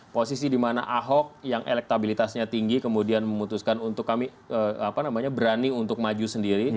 posisi di mana ahok yang elektabilitasnya tinggi kemudian memutuskan untuk kami berani untuk maju sendiri